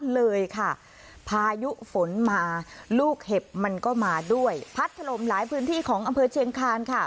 เลยค่ะพายุฝนมาลูกเห็บมันก็มาด้วยพัดถล่มหลายพื้นที่ของอำเภอเชียงคานค่ะ